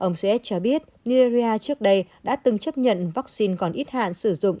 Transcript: ông gets cho biết nigeria trước đây đã từng chấp nhận vaccine còn ít hạn sử dụng